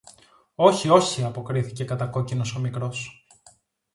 Όχι, όχι, αποκρίθηκε κατακόκκινος ο μικρός